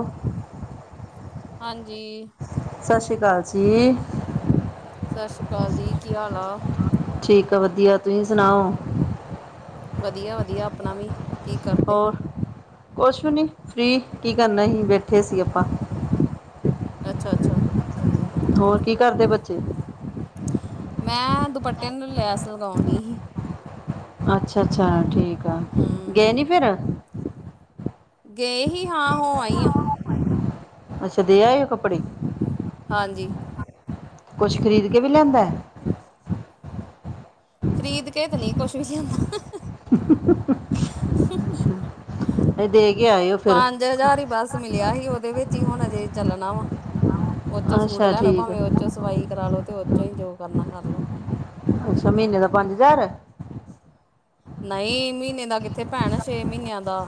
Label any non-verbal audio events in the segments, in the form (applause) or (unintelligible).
ਉਹ ਹਾਂਜੀ ਸਤਿ ਸ੍ਰੀ ਅਕਾਲ ਜੀ ਸਤਿ ਸ਼੍ਰੀ ਅਕਾਲ ਜੀ ਕੀ ਹਾਲ ਆ ਠੀਕ ਆ ਵਧੀਆ ਤੁਸੀਂ ਸੁਣਾਓ ਵਧੀਆ ਵਧੀਆ ਆਪਣਾ ਵੀ ਕੀ ਕਰਦੇ ਹੋਰ ਕੁਛ ਵੀ ਨਹੀਂ ਫ੍ਰੀ ਕੀ ਕਰਨਾ ਸੀ ਬੈਠੇ ਸੀ ਆਪਾਂ ਅੱਛਾ ਅੱਛਾ ਠੀਕ ਆ ਹੋਰ ਕੀ ਕਰਦੇ ਬੱਚੇ ਚੇ ਮੈਂ ਦੁਪੱਟੇ ਨੂੰ ਲੈਸ ਲਗਾਉਣ ਡੀ ਸੀ ਅੱਛਾ ਅੱਛਾ ਠੀਕ ਅ ਹੂੰ ਗਏ ਨੀ ਫੇਰ ਗਏ ਹੀ ਹਾਂ ਹੋ ਆਈ ਆ ਅੱਛਾ ਦੇ ਆਏ ਹੋ ਕੱਪੜੇ ਹਾਂਜੀ ਕੁਛ ਖਰੀਦ ਕੇ ਵੀ ਲਿਆਂਦੈ ਖਰੀਦ ਕੇ ਤੇ ਨਹੀਂ ਕੁੱਛ ਵੀ ਲਿਆਂਦਾ ਹੰ ਹੰ ਹੰ ਹੰ ਇਹ ਦੇਖ ਪੰਜ ਹਜ਼ਾਰ ਹੀ ਬੱਸ ਮਿਲਿਆ ਸੀ ਉਹਦੇ ਵਿੱਚ ਹੀ ਹੁਣ ਇਹ ਚੱਲਣਾ ਵਾ ਉਹਚੋਂ ਸੂਟ ਅੱਛਾ ਲੈ ਲਓ ਠੀਕ ਆ ਭਾਵੇਂ ਉਹ ਚੋਂ ਸਵਾਈ ਕਰਾਲੋ ਤੇ ਉਹਚੋ ਹੀ ਜੋ ਕਰਨਾ ਕਰਲੋ ਅੱਛਾ ਮਹੀਨੇ ਦਾ ਨਹੀਂ ਮਹੀਨੇ ਦਾ ਕਿਤ ਇੱਥੇ ਭੈਣ ਛੇ ਮਹੀਨਿਆਂ ਦਾ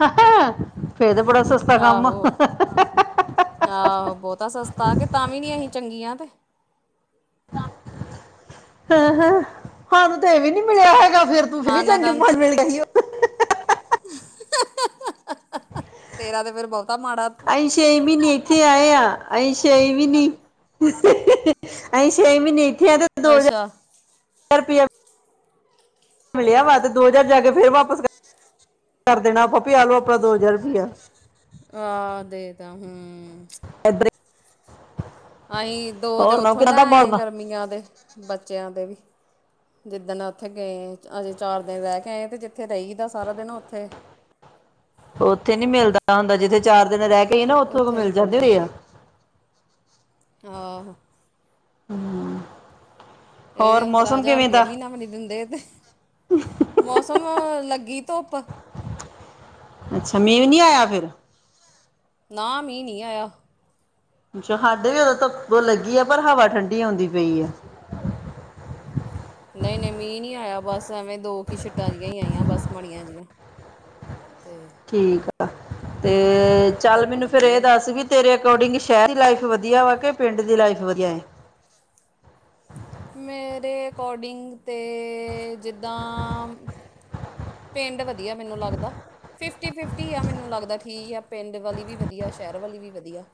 ਹੰਹਾ ਫੇਰ ਤਾਂ ਬੜਾ ਸਸਤਾ ਕੰਮ ਆ ਆਹੋ ਆਹੋ ਬਹੁਤ ਸਸਤਾ ਕਿ ਤਾਂ ਵੀ ਨੀ ਅਸੀਂ ਚੰਗੀਆਂ ਤੇ ਹਾਂ ਹ ਸਾਨੂੰ ਤੇ ਇਹ ਵੀ ਨੀ ਮਿਲਿਆ ਹੈਗਾ ਫਿਰ ਤੂੰ ਫ ਵੀ ਹਾਂ ਨਾ ਚੰਗੇ ਤਾਂ ਮ ਮਿਲ ਗਈ ਹੋ ਹੰ ਹੰ ਹੰ ਤੇਰਾ ਤੇ ਫਿਰ ਬਹੁਤਾ ਮਾੜਾ ਅਸੀਂ ਛੇ ਮਹੀਨੇ ਇੱਥੇ ਆਏ ਆ ਅਸੀਂ ਛੇ ਵੀ ਨਹੀਂ ਅਸੀਂ ਛੇ ਵੀ ਨਹੀਂ ਮਿੱਠੀਆਂ ਤੇ ਦੋ ਹਜ਼ਾਰ ਅੱਛਾ ਫਰ ਪੀ ਐ ਮਿਲਿਆ ਵਾ ਤੇ ਦੋ ਹਜ਼ਾਰ ਜਾ ਕੇ ਫੇਰ ਵਾਪਸ ਕਰ ਦੇਣਾ ਆਪ ਆਲੋ ਆਪਣਾ ਦੋ ਹਜ਼ਾਰ ਰੁਪਇਆ ਆ ਤਾਂ ਹਮ ਇਬ੍ਰ ਅਸੀਂ ਦੋ ਤੇ ਹੋਰ ਸੁਣਾਓ ਉੱਥੋਂ ਕਿਦਾਂ ਲੈ ਦਾ ਆਏ ਮੌਸਮ ਗਰਮੀਆਂ ਦੇ ਬੱਚਿਆਂ ਦੇ ਵੀ ਜਿੱਦਣ ਉੱਥੇ ਗਏ ਅਜੇ ਚਾਰ ਦਿਨ ਰਹਿ ਕੇ ਆਏ ਤੇ ਜਿੱਥੇ ਰਹੀਦਾ ਸਾਰਾ ਦਿਨ ਉੱਥੇ ਉੱਥੇ ਨੀ ਮਿਲਦਾ ਹੁੰਦਾ ਜਿੱਥੇ ਚਾਰ ਦਿਨ ਰਹਿ ਇਹ ਨਾ ਉੱਥੋਂ ਉੱਥੇ ਨੀ ਮਿਲ ਕੁਝ ਜਾਂਦੇ ਰ ਆ ਆਹ ਹਮ ਇਹ ਤੇ ਪਾਂਦਰਾਂ ਹਜ਼ਾਰ ਰੁਪਇਆ ਮਹੀਨਾ ਵੀ ਨੀ ਦਿੰਦੇ ਤੇ ਮੌਸਮ ਲੱਗੀ ਧੁੱਪ ਸਮਮੀ ਵੀ ਨਹੀਂ ਆਇਆ ਫਿਰ ਨਾ ਮੀਹ ਨਹੀਂ ਆਇਆ ਅੱਛਾ ਸਾਡੇ ਵੀ ਓਦੋਂ ਤਾਂ ਲੱਗੀ ਆ ਪਰ ਹਵਾ ਠੰਡੀ ਆਉਂਦੀ ਪਈ ਆ ਨਹੀਂ ਨਹੀਂ ਮੀਹ ਨਹੀਂ ਆਇਆ ਬਸ ਸਮਵੇਂ ਦੋ ਕੂ ਛਿੱਟਾ ਹੀ ਆਈਆਂ ਬਸ ਮਾੜੀਆਂ ਜੀ ਹਾਂ ਠੀਕ ਆ ਤੇ ਤੇ ਚੱਲ ਧੁੱਪ ਮੈਨੂੰ ਫੇਰ ਲੱਗੀ ਇਹ ਆ ਦੱਸਗੀ ਤੇਰੇ ਅਕੋਰਡਿੰਗ ਸ਼ਹਿਰ ਦੀ ਲਾਈਫ ਵਧੀਆ ਵਾ ਕਿ ਪਿੰਡ ਦੀ ਲਾਈਫ ਵਧੀਆ ਮੇਰੇ ਅਕੋਡਿੰਗ ਤੇ, ਜਿੱਦਾਂ ਪਿੰਡ ਵਧੀਆ ਮੈਨੂੰ ਲੱਗਦਾ, ਫਿਫਟੀ ਫਿਫਟੀ ਆ ਮੈਨੂੰ ਲੱਗਦਾ ਠੀਕ ਆ ਪਿੰਡ ਵਾਲੀ ਵੀ ਵਧੀਆ ਸ਼ਹਿਰ ਵਾਲੀ ਵੀ ਵਧੀਆ।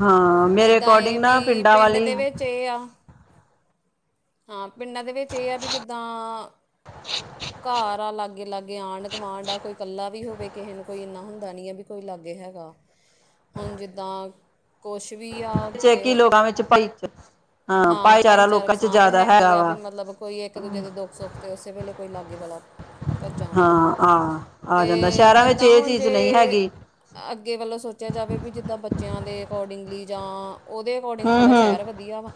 ਹਾਂ ਮੇਰੇ ਜਿੱਦਾਂ ਅਕੋਡਿੰਗ ਇਹ ਨਾ ਪਿੰਡਾਂ ਵਾਲੀ ਹਾ ਪਿੰਡਾਂ ਦੇ ਵਿੱਚ ਇਹ ਆ ਵੀ, ਜਿੱਦਾਂ ਘਰ ਆ ਲਾਗੇ ਲਾਗੇ ਆਂਢ ਗੁਆਂਢ ਆ ਕੋਈ ਇਕੱਲਾ ਵੀ ਹੋਵੇ ਕਿਸੇ ਨੂੰ ਕੋਈ ਇੰਨਾ ਹੁੰਦਾ ਦਾ ਨਹੀਂ ਹੈ, ਵੀ ਕੋਈ ਲਾਗੇ ਹੈਗਾ, ਹੁਣ ਜਿੱਦਾਂ ਕੁਛ ਵੀ ਆ ਚੈਕੀ ਕਿ ਲੋਕਾਂ ਵਿੱਚ ਭਾਈ ਹਾਂ ਭਾਈਚਾਰਾ ਭਾਈਚਾਰਕ ਲੋਕਾਂ ਚ ਸਾਂਝ ਜ਼ਿਆਦਾ ਹੈਗੀ ਹੈਗਾ ਆ, ਵੀ ਵਾ ਮਤਲਬ ਕੋਈ ਇੱਕ ਦੂਜੇ ਦੇ ਦੁੱਖ ਸੁੱਖ ' ਉਸੇ ਵੇਲੇ ਕੋਈ ਲਾਗੇ ਵਾਲਾ ਭੱਜਾ ਹੁੰਦਾ, ਹਾਂ ਆ ਆ ਜਾਂਦਾ ਅਤੇ ਸ਼ਹਿਰਾਂ ਵਿੱਚ ਜਿੱਦਾਂ ਇਹ ਹੁਣ ਚੀਜ਼ ਨਹੀਂ ਜੇ ਹੈਗੀ ਅੱਗੇ ਵੱਲੋਂ ਸੋਚਿਆ ਜਾਵੇ ਵੀ ਜਿੱਦਾਂ ਬੱਚਿਆਂ ਦੇ ਅਕੋਡਿੰਗਲੀ ਜਾਂ ਉਹਦੇ ਅਕੋਡਿੰਗ ਹੂੰ ਥੋੜ੍ਹਾ ਹੂੰ ਸ਼ਹਿਰ ਵਧੀਆ ਵਾ,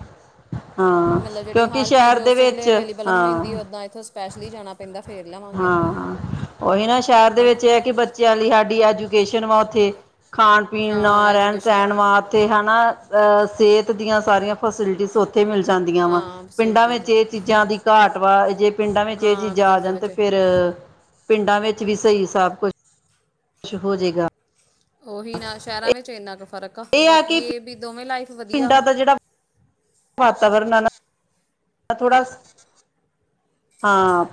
ਵੀ ਹਾਂ ਮਤਲਬ ਜਿਹੜੀ ਕਿਉਂਕਿ ਹਰ ਸ਼ਹਿਰ ਚੀਜ਼ ਦੇ ਉਸੇ ਵਿੱਚ ਵੇਲੇ ਅਵੇਲੇਬਲ ਹੋ ਜਾਂਦੀ ਉੱਦਾਂ ਇੱਥੋਂ ਸਪੈਸ਼ਲੀ ਜਾਣਾ ਪੈਂਦਾ। ਫੇਰ ਲਵਾਂਗੇ ਹਾਂ ਆਪਾਂ ਹਾਂ ਔਹੀ ਨਾ ਸ਼ਹਿਰ ਦੇ ਹੈ ਨਾ ਵਿੱਚ ਇਹ ਕਿ ਬੱਚਿਆਂ ਲਈ ਸਾਡੀ ਐਜੂਕੇਸ਼ਨ ਜਨਮ ਵਾ ਔਥੇ ਖਾਣ ਪੀਣ ਹਾਂ ਨਾਲ ਰਹਿਣ ਐਜੂਕੇਸ਼ਨ ਸਹਿਣ ਵਾ ਤੇ ਹੈਨਾ ਅਹ ਸੇਹਤ ਦੀਆਂ ਸਾਰੀਆਂ ਫੈਸਿਲਿਟੀ ਇੱਥੇ ਮਿਲ ਜਾਂਦੀਆਂ ਵਾ, ਹਾਂ ਪਿੰਡਾਂ ਫੈਸਿਲਿਟੀਜ਼ ਵਿੱਚ ਇਹ ਚੀਜ਼ਾਂ ਦੀ ਘਾਟ ਵਾ, ਜੇ ਪਿੰਡਾਂ ਵਿੱਚ ਇਹ ਹਾਂ ਚੀਜ਼ਾਂ ਆ ਪਿੰਡਾਂ ਜਾਣ ਤੇ ਵਿੱਚ ਪਿੰਡਾਂ ਵਿੱਚ ਵੀ ਸਹੀ ਸਭ ਕੁਛ ਚ ਹੋ ਜੇਗਾ ਔਹੀ ਨਾ, ਸ਼ਹਿਰਾਂ ਵਿੱਚ ਇੰਨਾ ਕੁ ਫ਼ਰਕ ਆ, ਇਹ- ਇਹ ਬਾਕੀ ਕਿ ਇਹ ਵੀ ਦੋਵੇਂ ਲਾਈਫ ਵਧੀਆ ਪਿੰਡਾਂ ਵਾ ਦਾ ਜਿਹੜਾ ਵਾਤਾਵਰਨ ਐ ਨਾ ਥੋੜਾ ਹਾਂ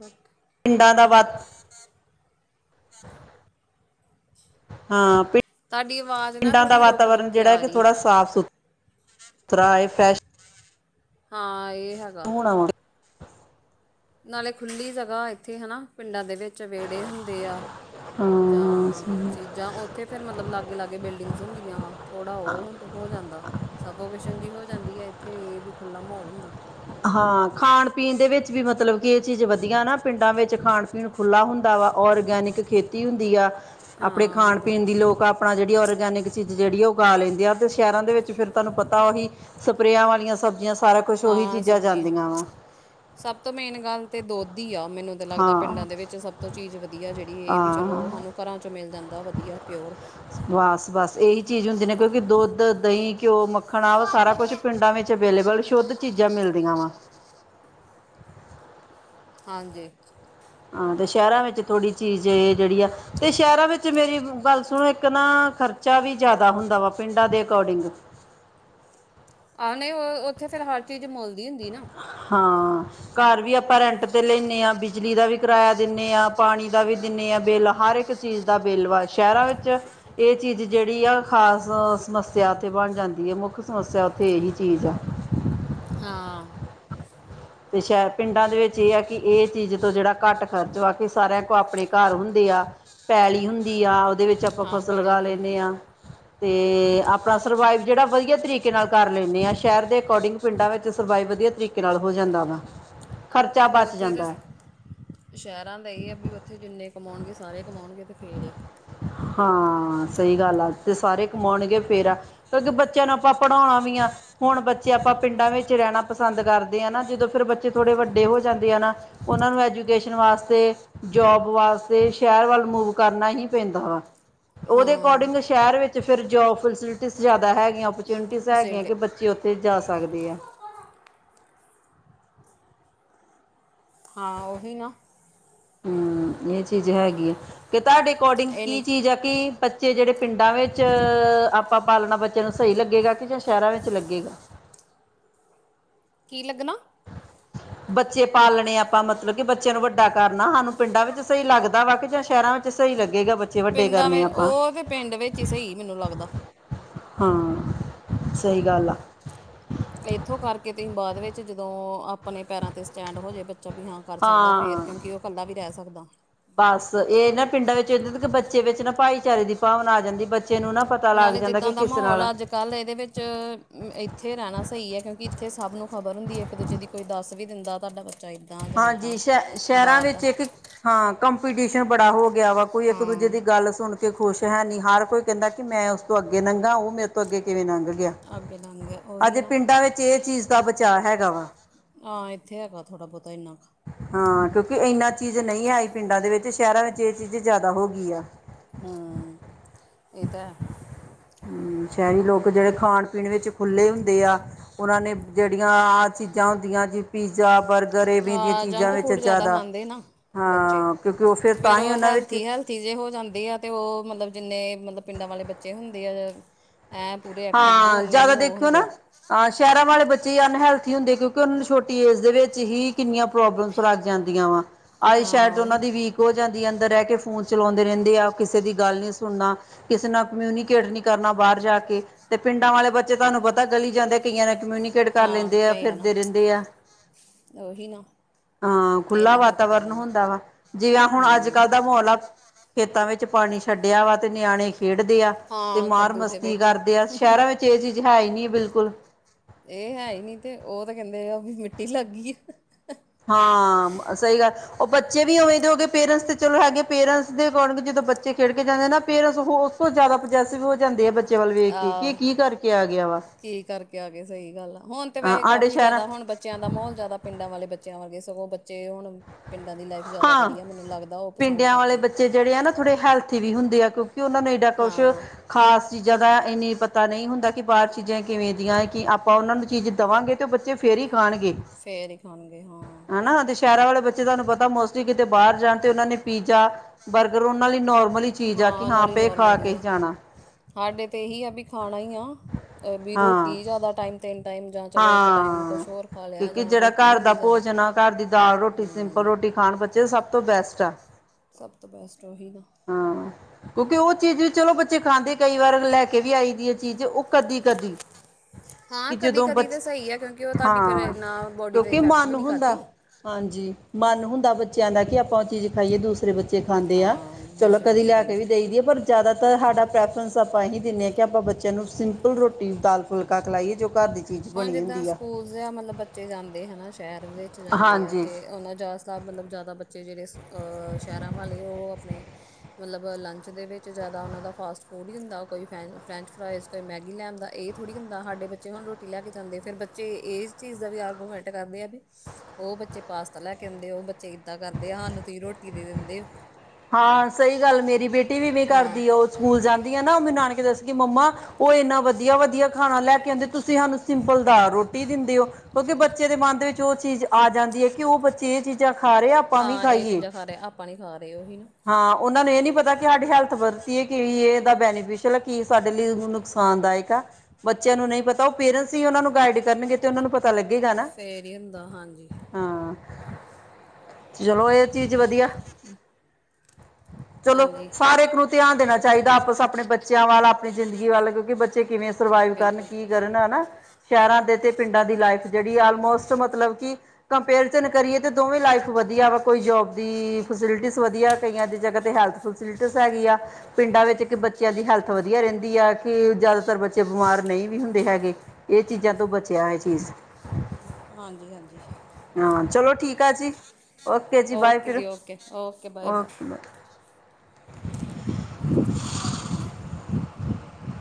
ਬਟ ਪਿੰਡਾਂ ਦਾ ਵੱਧ ਹਾਂ ਤੁਹਾਡੀ ਆਵਾਜ਼ ਨਾ ਪਿੰਡਾਂ ਦਾ ਥੋੜ੍ਹੀ ਰੁਕ ਰੁਕ ਕੇ ਆ ਰਹੀ ਤਰਾਏ ਫੈਸ਼ ਹਾਂ ਇਹ ਹੈਗਾ ਨਾਲੇ ਖੁੱਲੀ ਜਗ੍ਹਾ ਇੱਥੇ ਹੈਨਾ ਪਿੰਡਾਂ ਦੇ ਵਿੱਚ ਵਿੇਹੜੇ ਹੁੰਦੇ ਆ, ਹਾਂ ਜਾਂ ਸਹੀ ਹੈ। ਚੀਜ਼ਾਂ ਔਥੇ ਫਿਰ ਮਤਲਬ ਲਾਗੇ ਲਾਗੇ ਬਿਲਡਿੰਗਸ ਹੁੰਦੀਆਂ ਵਾ, ਥੋੜਾ ਉਹ ਹੁੰ ਹੋ ਜਾਂਦਾ ਸਭੋ ਸਫੋਕੇਸ਼ਨ ਜੀ ਹੋ ਜਾਂਦੀ ਹੈ ਇੱਥੇ ਇਹ ਵੀ ਖੁੱਲ੍ਹਲਾ ਮਾਹੌਲ ਹੁੰਦਾ ਹਾਂ ਖਾਣ ਪੀਣ ਦੇ ਵਿੱਚ ਵੀ ਮਤਲਬ ਕਿ ਇਹ ਚੀਜ਼ ਵਧੀਆ ਨਾ, ਪਿੰਡਾਂ ਵਿੱਚ ਖਾਣ ਪੀਣ ਖੁੱਲ੍ਹਾ ਹੁੰਦਾ ਵਾ ਔਰਗੈਨਿਕ ਖੇਤੀ ਹੁੰਦੀ ਆ ਆਪਣੇ ਹਾਂ ਖਾਣ ਹੁੰਦੀ ਪੀਣ ਦੀ ਲੋਕ ਆਪਣਾ ਜਿਹੜਾ ਔਰਗੈਨਿਕ ਚੀਜ਼ ਜਿਹੜੀ ਉਹ ਉਗਾ ਲੈਂਦੀ ਆ ਤੇ ਸ਼ਹਿਰਾਂ ਦੇ ਵਿੱਚ ਫਿਰ ਤੁਹਾਨੂੰ ਪਤਾ ਉਹੀ ਸਪਰੇਆਂ ਵਾਲੀਆਂ ਸਬਜ਼ੀਆਂ ਸਾਰਾ ਕੁਛ ਔਹੀ ਚੀਜ਼ ਸਬਜੀ, ਸਭ ਤੋਂ ਮੇਨ ਗੱਲ ਤੇ ਦੁਧ ਈ ਆ, ਮੈਨੂੰ ਲੱਗਦਾ ਹਾਂ ਪਿੰਡਾਂ ਦੇ ਵਿੱਚ ਸਭ ਤੋਂ ਚੀਜ਼ ਵਧੀਆ ਜਿਹੜੀ ਇਹ ਵੀ ਹਾਂ ਚਲੋ ਸਾਨੂੰ ਘਰਾਂ ਚੋਂ ਮਿਲ ਬੜਾ ਵਧੀਆ ਪਿਓਰ ਬਸ ਬਸ ਇਹੀ ਚੀਜ਼ ਹੁੰਦੀ ਨੇ ਕਿਉਂਕਿ ਦੁੱਧ ਦਹੀਂ ਘਿਓ ਮੱਖਣ ਆ ਵਾ ਸਾਰਾ ਕੁਛ ਪਿੰਡਾਂ ਵਿੱਚ ਅਵੇਲੇਬਲ ਸ਼ੁੱਧ ਚੀਜ਼ਾਂ ਮਿਲਦੀਆਂ ਵਾ ਹਾਂਜੀ ਹਾਂ ਤੇ ਸ਼ਹਿਰਾਂ ਵਿੱਚ ਥੋੜ੍ਹੀ ਚੀਜ਼ ਜਿਹੜੀ ਆ ਤੇ ਸ਼ਹਿਰਾਂ ਵਿੱਚ ਮੇਰੀ ਗੱਲ ਸੁਣੋ ਇੱਕ ਨਾ ਖਰਚਾ ਵੀ ਜ਼ਿਆਦਾ ਹੁੰਦਾ ਵਾ ਪਿੰਡਾਂ ਦੇ ਅਕੋਡਿੰਗ ਆਹ ਨਹੀਂ ਉੱਥੇ ਫੇਰ ਹਰ ਚੀਜ਼ ਮੁੱਲ ਦੀ ਹੁੰਦੀ ਨਾ ਹਾਂ ਘਰ ਵੀ ਆਪਾਂ ਰੈਂਟ ਤੇ ਲੈਣੇ ਹਾਂ ਬਿਜਲੀ ਦਾ ਵੀ ਕਿਰਾਇਆ ਦਿੰਦੇ ਹਾਂ ਪਾਣੀ ਦਾ ਵੀ ਦਿੰਦੇ ਹਾਂ ਬਿੱਲ ਹਰ ਇੱਕ ਚੀਜ਼ ਦਾ ਬਿੱਲ ਵਾ ਸ਼ਹਿਰਾਂ ਵਿੱਚ ਇਹ ਚੀਜ਼ ਜਿਹੜੀ ਆ ਖਾਸ ਸਮੱਸਿਆ ਉੱਥੇ ਬਣ ਜਾਂਦੀ ਹੈ ਮੁੱਖ ਸਮੱਸਿਆ ਉੱਥੇ ਇਹੀ ਚੀਜ਼ ਆ ਹਾਂ ਤੇ ਸ਼ਹਿਰ ਪਿੰਡਾਂ ਦੇ ਵਿੱਚ ਇਹ ਆ ਕਿ ਇਹ ਚੀਜ਼ ਤੋਂ ਜਿਹੜਾ ਘੱਟ ਖਰਚ ਵਾ ਕੇ ਸਾਰਿਆਂ ਕੋਲ ਆਪਣੇ ਘਰ ਹੁੰਦੇ ਆ ਪੈਲੀ ਹੁੰਦੀ ਆ ਦੇ ਵਿੱਚ ਆਪਾਂ ਹਾਂ ਫਸਲ ਪੈਲੀ ਉਗਾ ਹੁੰਦੀ। ਲੈਂਦੇ ਹਾਂ ਤੇ, ਆਪਣਾ ਸਰਵਾਈਵ ਜਿਹੜਾ ਵਧੀਆ ਤਰੀਕੇ ਨਾਲ ਕਰ ਲੈਂਨੇ ਹਾਂ, ਸ਼ਹਿਰ ਦੇ ਅਕੋਡਿੰਗ ਪਿੰਡਾਂ ਵਿੱਚ ਸਰਵਾਈਵ ਵਧੀਆ ਤਰੀਕੇ ਨਾਲ ਹੋ ਜਾਂਦਾ ਵਾ ਖਰਚਾ ਉਹ ਬਚ ਉੱਥੇ ਤਾਂ ਜਾਂਦਾ ਹੈ ਸ਼ਹਿਰਾਂ ਦਾ ਇਹ ਹੈ ਵੀ, ਉੱਥੇ ਜਿੰਨੇ ਕਮਾਉਣਗੇ ਸਾਰੇ ਕਮਾਉਣਗੇ ਅਤੇ ਫੇਰ ਆ ਹਾਂ। ਸਹੀ ਗੱਲ ਆ ਤੇ, ਸਾਰੇ ਕਮਾਉਣਗੇ ਫੇਰ ਆ, ਕਿਉਂਕਿ ਬੱਚਿਆਂ ਨੂੰ ਆਪਾਂ ਪੜ੍ਹਾਉਣਾ ਵੀ ਆ, ਹੁਣ ਬੱਚੇ ਆਪਾਂ ਪਿੰਡਾਂ ਵਿੱਚ ਰਹਿਣਾ ਪਸੰਦ ਕਰਦੇ ਨਾ ਜਦੋਂ ਫਿਰ ਬੱਚੇ ਥੋੜੇ ਵੱਡੇ ਹੋ ਜਾਂਦੇ ਆ ਨਾ, ਉਹਨਾਂ ਨੂੰ ਐਜੂਕੇਸ਼ਨ ਵਾਸਤੇ, ਜੋਬ ਵਾਸਤ ਸ਼ਹਿਰ ਵੱਲ ਮੂਵ ਕਰਨਾ ਹੀ ਪੈਂਦਾ ਵਾ। ਉਹਦੇ ਹਾਂ, ਅਕੋਡਿੰਗ ਸ਼ਹਿਰ ਵਿੱਚ ਫਿਰ, ਜੋਬ, ਫੈਸਿਲਿਟੀ ਜ਼ਿਆਦਾ ਹੈਗੀਆਂ। ਚਊਨਿਟੀਜ਼ ਹੈਗੀਆਂ ਫੈਸਿਲਿਟੀ ਕਿ ਬੱਚੇ ਉੱਥੇ ਜਾ ਸਕਦੇ ਆ। ਹਾਂ ਉਹੀ ਨਾ ਹੂੰ, ਇਹ ਚੀਜ਼ ਹੈਗੀ ਹੈ ਕਿ ਤੁਹਾਡੇ ਅਕੋਡਿੰਗ ਇਹ ਨੀ ਕੀ ਚੀਜ਼ ਹੈ ਕਿ ਬੱਚੇ ਜਿਹੜੇ ਪਿੰਡਾਂ ਵਿੱਚ ਆਪਾਂ ਪਾਲਣਾ ਬੱਚਿਆਂ ਨੂੰ, ਸਹੀ ਲੱਗੇਗਾ ਕਿ ਜਾਂ ਸ਼ਹਿਰਾਂ ਵਿੱਚ ਲੱਗੇਗਾ। ਕੀ ਲੱਗਣਾ ਬੱਚੇ ਪਾਲਣੇ ਆਪਾਂ ਮਤਲਬ ਕਿ ਬੱਚਿਆਂ ਨੂੰ ਵੱਡਾ ਕਰਨਾ ਸਾਨੂੰ ਪਿੰਡਾਂ ਵਿੱਚ ਸਹੀ ਲੱਗਦਾ ਵਾ, ਕਿ ਜਾਂ, ਸ਼ਹਿਰਾਂ ਵਿੱਚ ਸਹੀ ਲੱਗੇਗਾ। ਵੱਡੇ ਪਿੰਡਾਂ ਕਰਨੇ ਆਪਾਂ ਉਹ ਤੇ ਪਿੰਡ ਵਿੱਚ ਹੀ ਸਹੀ ਮੈਨੂੰ ਲੱਗਦਾ। ਹਾਂ। ਸਹੀ ਗੱਲ ਆ। ਇੱਥੋਂ ਕਰਕੇ ਤੁਸੀਂ ਬਾਅਦ ਵਿੱਚ ਜਦੋਂ ਆਪਣੇ ਪੈਰਾਂ ਤੇ ਸਟੈਂਡ ਹੋ ਜੇ ਵਿਆਹ ਕਰ ਸਕਦਾ ਹਾਂ ਫੇਰ, ਕਿਉਂਕਿ ਉਹ ਇਕੱਲਾ ਵੀ ਰਹਿ ਸਕਦਾ ਬਸ ਇਹ ਨਾ ਪਿੰਡਾਂ ਵਿੱਚ ਇਦ ਕਿ ਬੱਚੇ ਵਿੱਚ ਨਾ, ਭਾਈਚਾਰੇ ਦੀ ਭਾਵਨਾ ਆ ਜਾਂਦੀ। ਨੂੰ ਨਾ ਪਤਾ ਲੱਗ ਨਾਲੇ ਜਾਂਦਾ ਕਿ ਜਿੱਦਾਂ ਦਾ ਕਿਸ ਨਾਲ ਮਾਹੌਲ ਅੱਜ-ਕੱਲ੍ਹ ਇਹਦੇ ਵਿੱਚ ਇੱਥੇ ਰਹਿਣਾ ਸਹੀ ਹੈ। ਕਿਉਂਕਿ ਇੱਥੇ ਸਭ ਨੂੰ ਖ਼ਬਰ ਹੁੰਦੀ ਇੱਕ- ਦੂਜੇ ਦੀ ਕੋਈ ਦੱਸ ਵੀ ਦਿੰਦਾ ਤਾ ਹਾਂਜੀ ਸ਼ ਸ਼ਹਿਰਾਂ ਵਿੱਚ ਇੱਕ ਹਾਂ ਕੰਪ ਟੀਸ਼ਨ ਬੜਾ ਹੋ ਗਿਆ ਗਿਆ ਵਾ ਕੋਈ ਹਾਂ ਇੱਕ-ਦੂਜੇ ਦੀ ਗੱਲ ਸੁਣ ਖੁਸ਼ ਹੈ ਨੀ ਹਰ ਕੋਈ ਕਹਿੰਦਾ ਕਿ ਮੈਂ ਉਸ ਤੋਂ ਅੱਗੇ ਲੰਘਾ ਉਹ ਮੇਰੇ ਤੋਂ ਅੱਗੇ ਕਿਵੇਂ ਲੰਘ ਗਿਆ। ਅੱਗੇ ਲੰਘ ਗਿਆ ਉਹੀ ਅਜੇ ਨਾ ਪਿੰਡਾਂ ਵਿੱਚ ਇਹ ਚੀਜ਼ ਦਾ ਚਾਅ ਹੈਗਾ ਵਾ। ਹਾਂ। ਇੱਥੇ ਹੈਗਾ ਥੋੜਾ ਬਹੁਤਾ ਇੰਨਾ ਕੁ ਹਾਂ, ਕਿਉਂਕਿ ਇੰਨਾ ਚੀਜ਼ ਨਹੀਂ ਆਈ ਪਿੰਡਾਂ ਦੇ ਵਿੱਚ, ਸ਼ਹਿਰਾਂ ਵਿੱਚ ਇਹ ਚੀਜ਼ ਜਿਆਦਾ ਹੋ ਗਈ ਆ। ਹਮ ਇਹ ਤਾਂ ਹੈ ਹਮ ਸ਼ਹਿਰੀ ਲੋਕ ਜਿਹੜੇ ਖਾਣ ਪਿੰਡ ਵਿੱਚ ਖੁੱਲੇ ਹੁੰਦੇ ਆ। ਉਹਨਾਂ ਨੇ ਜਿਹੜੀਆਂ ਆਹ ਚੀਜ਼ਾਂ ਹੁੰਦੀਆਂ ਜੀ, ਪੀਜ਼ਾ- ਬਰਗ ਅਹ ਜੰਕ ਫੂਡ ਜਿਆਦਾ ਖਾਂਦੇ ਨਾ, ਬੱਚੇ ਹਾਂ ਕਿਉਂਕਿ ਉਹ ਫਿਰ ਤਾਂ ਫੇਰ ਹੀ ਉਹ ਉਹਨਾਂ ਵਿੱਚ ਹੈਲਥੀ-ਹੈਲਥੀ ਜੇ ਹੋ ਜਾਂਦੇ ਆ ਤੇ, ਉਹ ਮਤਲਬ ਜਿੰਨੇ ਮਤਲਬ ਪਿੰਡਾਂ ਵਾਲੇ ਬੱਚੇ ਹੁੰਦੇ ਆ ਐਂ ਪੂਰੇ ਐਕਟਿਵ ਜੇ ਹਾਂ, ਓਨੇ ਜ਼ਿਆਦਾ ਨਹੀਂ ਉਹ ਦੇਖਿਓ ਹੁੰਦੇ ਨਾ ਸ਼ਹਿਰਾਂ ਵਾਲੇ ਬੱਚੇ ਅਨ ਹੈਲਥ ਤਹਿਤਹੁੰਦੇ ਕਿਉਂਕਿ ਉਹਨਾਂ ਨੂੰ ਛੋਟੀ ਏਜ ਦੇ ਵਿੱਚ ਹੀ ਕਿੰਨੀਆਂ ਪ੍ਰੋਬਲਮਸ ਲੱਗ ਜਾਂਦੀਆਂ ਵਾ ਆਈ ਹਾਂ ਸ਼ਾਇਦ ਉਹਨਾਂ ਉਹੀ ਦੀ ਵੀਕ ਹੋ ਜਾਂਦੀ ਹੈ ਅੰਦਰ ਰਹਿ ਫੋਨ ਚਲਾਉਂਦੇ ਰਹਿੰਦੇ ਆ ਕਿਸੇ ਦੀ ਗੱਲ ਨੀ ਸੁਣਨਾ, ਕਿਸੇ ਨਾਲ ਕਮਿਊਨੀਕੇਟ ਨੀ ਕਰਨਾ ਬਾਹਰ ਜਾ ਕੇ ਤੇ ਪਿੰਡਾਂ ਵਾਲੇ ਬੱਚੇ ਤੁਹਾਨੂੰ ਪਤਾ ਗਲੀ ਜਾਂਦੇ ਕਈਆਂ ਨੇ ਕਮਿਊਨੀਕੇਟ ਕਰ ਹਾਂ ਲੈਂਦੇ ਆ ਕਈ ਨਾ ਫਿਰਦੇ ਰਹਿੰਦੇ ਆ, ਉਹੀ ਨਾ ਹਾਂ ਖੁੱਲਾ ਇੰਨਾ ਫ਼ਰਕ ਪੈ ਵਾਤਾਵਰਨ ਜਾਂਦਾ ਹੁੰਦਾ ਵਾ, ਜਿਵੇਂ ਹੁਣ ਅੱਜ ਹੂੰ ਕੱਲ੍ਹ ਦਾ ਮਾਹੌਲ ਆ ਖੇਤਾਂ ਵਿੱਚ ਪਾਣੀ ਛੱਡਿਆ ਵਾ, ਤੇ ਨਿਆਣੇ ਖੇਡਦੇ ਆ, ਤੇ ਹਾਂ ਮਾਰ ਕੱਦੂ ਦੇ ਮਸਤੀ ਵਿੱਚ ਹੀ ਕਰਦੇ ਆ ਸ਼ਹਿਰਾਂ ਵਿੱਚ ਇਹ ਚੀਜ਼ ਹੈ ਹੀ ਨਹੀਂ ਬਿਲਕੁਲ ਇਹ ਹੈ ਹੀ ਨੀ ਤੇ, ਉਹ ਤੇ ਕਹਿੰਦੇ ਵੀ ਮਿੱਟੀ ਲੱਗ ਗਈ ਆ ਹਾਂ, ਸਹੀ ਗੱਲ, ਉਹ ਬੱਚੇ ਵੀ ਉਵੇਂ ਦੇ ਹੋ ਗਏ ਪੇਰੈਂਟਸ ਤੇ ਚਲੋ ਹੈਗੇ ਪੇਰੈਂਟਸ ਦੇਗੇ ਜਦੋਂ ਬੱਚੇ ਖੇਡ ਕੇ ਜਾਂਦੇ ਆ ਨਾ ਪੇਰੈਂਟਸ ਉਹ ਉਸ ਤੋਂ ਜ਼ਿਆਦਾ ਪੋਜੈਸਿਵ ਹੋ ਜਾਂਦੇ ਆ ਬੱਚੇ ਵੱਲ ਵੇਖ ਕੇ ਕਿ ਆਹ, ਕੀ ਕਰਕੇ ਆ ਗਿਆ ਵਾ ਕੀ ਕਰਕੇ ਆ ਗਏ? ਸਹੀ ਗੱਲ ਆ। ਹੁਣ ਤੇ ਹਾਂ ਵੈਸੇ ਸਾਡੇ ਕਾਫ਼ੀ ਸ਼ਹਿਰਾਂ ਜ਼ਿਆਦਾ ਹੁਣ ਬੱਚਿਆਂ ਦਾ ਮਾਹੌਲ ਜ਼ਿਆਦਾ ਪਿੰਡਾਂ ਵਾਲੇ ਬ ਬੱਚਿਆਂ ਵਰਗੇ ਸਗੋਂ ਬੱਚੇ ਹੁਣ ਪਿੰਡਾਂ ਦੀ ਲਾਈਫ ਜ਼ਿਆਦਾ ਹਾਂ ਵਧੀਆ ਮੈਨੂੰ ਲੱਗਦਾ ਉਹ ਪਸੰਦ ਪਿੰਡਿਆਂ ਵਾਲੇ ਕਰਦੇ ਬੱਚੇ ਜਿਹੜੇ ਆ ਨਾ ਥੋੜੇ ਹੈਲਥੀ ਵੀ ਹੁੰਦੇ ਐ ਕਿ ਉਹਨਾਂ ਨੇ ਏਡਾ ਕੁਛ ਹਾਂ ਖਾਸ ਚੀਜ਼ਾਂ ਜ਼ਿਆਦਾ ਇੰਨੀ ਪਤਾ ਨਹੀਂ ਹੁੰਦਾ ਕਿ ਬਾਹਰ ਚੀਜ਼ਾਂ ਕਿਵੇਂ ਦੀਆਂ? ਕਿ ਆਪਾਂ ਉਹਨਾਂ ਨੂੰ ਚੀਜ਼ ਦੇਵਾਂਗੇ ਅਤੇ ਉਹ ਬੱਚੇ ਫਿਰ ਹੀ ਖਾਣਗੇ ਫੇਰ ਹੀ ਖਾਣਗੇ ਹਾਂ। ਹਨਾ ਤੇ ਸ਼ਹਿਰਾਂ ਵਾਲੇ ਬੱਚੇ ਤੁਹਾਨ ਪਤਾ ਕਿਤੇ ਬਾਹਰ ਜਾਣ ਤੇ ਉਹਨਾਂ ਨੇ ਪੀਜ਼ਾ ਬਰਗਰ ਉਹਨਾਂ ਲਈ ਨੋਰਮ ਉਦੀ ਚੀਜ਼ ਆ ਕਿ ਹਾਂ ਨਾਲੇ ਪੇ ਖਾ ਨੋਰਮਲ ਕੇ ਹੀ ਹੈ ਜਾਣਾ ਸਾਡੇ ਤੇ ਇਹੀ ਆ ਵੀ ਖਾਣ ਮੈ ਨਾ ਵੀ ਹਾਂ ਰੋਟੀ ਜਿਆਦਾ ਟਾਇਮ ਹਾਂ ਲਿਆ ਕਿਉਕਿ ਜਾਂ ਜਿਹੜਾ ਰੋਟੀ ਘਰ ਦਾ ਹੁੰਦੀ ਜ਼ਿਆਦਾ ਭੋਜਨ ਆ ਘਰ ਦੀ ਦਾਲ ਰੋਟੀ ਸਿੰਪਲ ਹੂੰ ਰੋਟੀ ਖਾਣ ਬੱਚੇ ਚ ਸਭ ਤੋਂ ਬੈਸਟ ਆ। ਸਭ ਤੋਂ ਬੈਸਟ ਉਹੀ ਨਾ ਹਾਂ ਕਿਉਂਕਿ ਉਹ ਚੀਜ਼ ਵੀ ਚਲੋ ਬੱਚੇ ਖਾਂਦੇ ਕਈ ਵਾਰ ਲੈ ਕੇ ਵੀ ਆਈ ਦੀ ਇਹ ਚੀਜ਼ ਉਹ ਕਦੀ-ਕਦੀ। ਹਾਂ ਕਦੀ-ਕਦੀ। ਤਾਂ ਸਹੀ ਹੈ। ਕਿਉਂਕਿ ਉਹ ਤੁਹਾਡੀ ਫੇਰ ਹਾਂ ਇੰਨਾ ਬੋਡੀ ਤੇ ਕਿਉਂਕਿ ਇਫੈਕਟ ਵੀ ਮਨ ਨਹੀਂ ਹੁੰਦਾ ਕਰਦੀ। ਹਾਂਜੀ ਮਨ ਹੁੰਦਾ ਬੱਚਿਆਂ ਦਾ ਕਿ ਆਪਾਂ ਉਹ ਚੀਜ਼ ਖਾਈਏ ਦੂਸਰੇ ਬੱਚੇ ਖਾਂਦੇ ਆ ਹਾਂ ਚਲੋ ਦੂਸਰੇ ਕਦੇ ਬੱਚੇ ਲੈ ਕੇ ਖਾਂਦੇ ਵੀ ਦੇਈ ਦੀ ਆ ਪਰ ਜ਼ਿਆਦਾ। ਤਾਂ ਸਾਡਾ ਪ੍ਰੈਫਰੈਂਸ ਆਪਾਂ ਇਹੀ ਦਿੰਦੇ ਹਾਂ ਕਿ ਆਪਾਂ ਬੱਚਿਆਂ ਨੂੰ ਸਿੰਪਲ ਰੋਟੀ ਦਾਲ ਫੁਲਕਾ ਖਿਲਾਈਏ ਜੋ ਘਰ ਦੀ ਚੀਜ਼ ਹੁਣ ਬਣੀ ਜਿੱਦਾਂ ਹੁੰਦੀ ਆ ਸਕੂਲ ਜਾਂ ਮਤਲਬ ਬੱਚੇ ਜਾਂਦੇ ਹਨਾ ਸ਼ਹਿਰ ਦੇ ਵਿੱਚ ਜਾਂਦੇ ਆ ਹਾਂਜੀ ਤੇ ਉਹਨਾਂ ਜ਼ਿਆਦਤਰ ਮਤਲਬ ਜ਼ਿਆਦਾ ਬੱਚੇ ਜਿਹੜੇ ਸ਼ਹਿਰਾਂ ਵਾਲੇ ਉਹ ਆਪਣੇ ਮਤਲਬ ਲੰਚ ਦੇ ਵਿੱਚ ਜ਼ਿਆਦਾ ਉਹਨਾਂ ਦਾ ਫਾਸਟ ਫੂਡ ਹੀ ਹੁੰਦਾ ਕੋਈ ਫੈਂ ਫਰੈਂਚ ਫਰਾਈਜ਼ ਕੋਈ ਮੈਗੀ ਲਿਆਂਦਾ ਇਹ ਥੋੜ੍ਹੀ ਹੁੰਦਾ ਸਾਡੇ ਬੱਚੇ ਹੁਣ ਰੋਟੀ ਰੋਟੀ ਲੈ ਕੇ ਜਾਂਦੇ ਫਿਰ ਬੱਚੇ ਇਸ ਚੀਜ਼ ਦਾ ਵੀ ਆਰਗੂਮੈਂਟ ਕਰਦੇ ਆ ਵੀ ਉਹ ਬੱਚੇ ਪਾਸਤਾ ਲੈ ਕੇ ਆਉਂਦੇ ਉਹ ਬੱਚੇ ਇੱਦਾਂ ਕਰਦੇ ਆ ਸਾਨੂੰ ਤੁਸੀਂ ਰੋਟੀ ਦੇ ਦਿੰਦੇ ਹਾਂ ਸਹੀ ਗੱਲ ਮੇਰੀ ਬੇਟੀ ਵੀ ਇਵੇਂ ਹਾਂ ਕਰਦੀ ਸਕੂਲ ਜਾਂਦੀ ਆ ਨਾ ਮੈਨੂੰ ਨਾਨਕੇ ਦੱਸ ਕਿ ਮੰਮਾ ਉਹ ਇੰਨਾ ਵਧੀਆ ਵਧੀਆ ਖਾਣਾ ਲੈ ਕੇ ਆਉਂਦੇ ਤੁਸੀਂ ਸਾਨੂੰ ਸਿੰਪਲਦਾਰ ਰੋਟੀ ਦਿੰਦੇ ਹੋ ਕਿਉਂਕਿ ਬੱਚੇ ਦੇ ਮਨ ਦੇ ਵਿੱਚ ਉਹ ਚੀਜ਼ ਆ ਜਾਂਦੀ ਹੈ ਕਿ ਉਹ ਬੱਚੇ ਇਹ ਚੀਜ਼ਾਂ ਖਾ ਰਹੇ ਆ ਆਪਾਂ ਵੀ ਹਾਂ ਇਹ ਖਾਈਏ ਚੀਜ਼ਾਂ ਖਾ ਰਹਾ ਆਪਾਂ ਨੀ ਖਾ ਰਹੇ ਤੇ ਊਹੀ ਨਾ ਹਾਂ ਉਹਨਾਂ ਨੂੰ ਇਹ ਨੀ ਪਤਾ ਕਿ ਸਾਡੀ ਹੈਲਥ ਵੱਧ ਦੀ ਕੀ ਇਹਦਾ ਬੈਨੀਫਿਸ਼ਲ ਆ ਕੀ ਸਾਡੇ ਲਈ ਨੁਕਸਾਨਦਾਇਕ ਆ ਬੱਚਿਆਂ ਨੂੰ ਨਹੀਂ ਪਤਾ ਉਹ ਪੇਰੈਂਟਸ ਹੀ ਉਹਨਾਂ ਨੂੰ ਗਾਈਡ ਕਰਨਗੇ ਤੇ ਉਹ ਨੂੰ ਪਤਾ ਤਾਂ ਲੱਗੇਗਾ ਨਾ ਫੇਰ ਹੀ ਹੁੰਦਾ ਹਾਂਜੀ ਹਾਂ ਚਲੋ ਇਹ ਚੀਜ਼ ਵਧੀਆ ਚਲੋ ਹਾਂਜੀ ਸਾਰੇ ਇੱਕ ਨੂੰ ਧਿਆਨ ਦੇਣਾ ਚਾਹੀਦਾ ਆਪਸ ਆਪਣੇ ਬੱਚਿਆਂ ਵੱਲ ਆਪਣੀ ਜ਼ਿੰਦਗੀ ਵੱਲ ਕਿਉਂਕਿ ਬੱਚੇ ਕਿਵੇਂ ਸਰਵਾਈਵ ਕਰਨ ਬਿਲਕੁਲ ਕੀ ਕਰਨ ਹਨਾ ਸ਼ਹਿਰਾਂ ਦੇ ਤੇ ਪਿੰਡਾਂ ਦੀ ਲਾਈਫ ਜਿਹੜੀ ਆਲਮੋਸਟ ਮਤਲਬ ਕਿ ਕੰਪੇਰੀਜ਼ਨ ਕਰੀਏ ਤੇ ਦੋਵੇਂ ਲਾਈਫ ਵਧੀਆ ਵਾ ਕੋਈ ਜੋਬ ਦੀ ਫੈਸਿਲਿਟੀ ਵਧੀਆ ਕਈਆਂ ਦੀ ਜਗ੍ਹਾ ਤੇ ਹੈਲਥ ਫੈਸਿਲਟੀਸ ਹੈਗੀ ਆ ਪਿੰਡਾਂ ਵਿੱਚ ਕਿ ਬੱਚਿਆਂ ਦੀ ਹੈਲਥ ਵਧੀਆ ਰਹਿੰਦੀ ਆ ਕਿ ਜ਼ਿਆਦਾਤਰ ਬੱਚੇ ਬਿਮਾਰ ਨਹੀਂ ਵੀ ਹੁੰਦੇ ਹੈਗੇ ਇਹ ਚੀਜ਼ਾਂ ਤੋਂ ਬਚਿਆ ਇਹ ਚੀਜ਼ ਹਾਂਜੀ- ਹਾਂਜੀ ਹਾਂ, ਚਲੋ ਠੀਕ ਆ ਜੀ। ਓਕੇ ਜੀ, ਬਾਏ ਫਿਰ ਓਕੇ ਬਾਏ- ਬਾਏ (inaudible) (inaudible) ਹ (unintelligible)